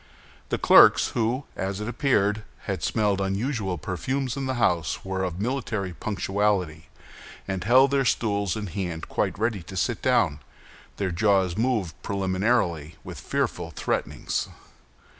The clerks, who, as it appeared, had smelled unusual perfumes in the house, were of military punctuality, and held their stools in hand quite ready to sit down. Their jaws moved preliminarily with fearful threatenings.